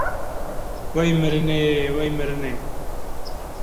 Wey mirinê, wey mirinê